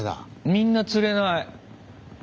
みんな釣れない。